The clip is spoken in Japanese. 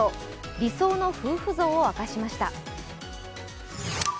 理想の夫婦像を明かしました。